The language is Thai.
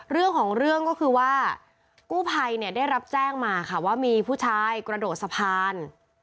เรื่องของเรื่องก็คือว่ากู้ภัยเนี่ยได้รับแจ้งมาค่ะว่ามีผู้ชายกระโดดสะพาน